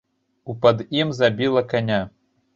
У пад ім забіла каня.